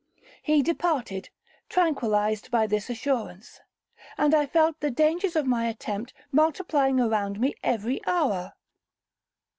He departed tranquillized by this assurance; and I felt the dangers of my attempt multiplying around me every hour.